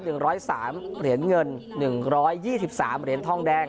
๑๐๓เหรียญเงิน๑๒๓เหรียญทองแดง